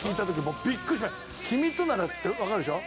『君となら』ってわかるでしょ？